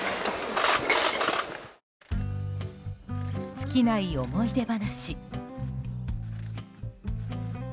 尽きない思い出話。